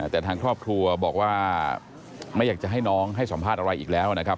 แต่ทางครอบครัวบอกว่าไม่อยากจะให้น้องให้สัมภาษณ์อะไรอีกแล้วนะครับ